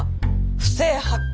不正発覚！